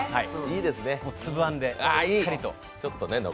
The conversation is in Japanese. つぶ餡でしっかりと。